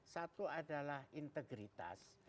satu adalah integritas